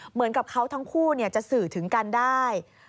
เหมือนกับเขาทั้งคู่จะสื่อถึงกันได้